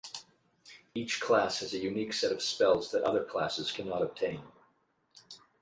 Each class has a unique set of spells that other classes can not obtain.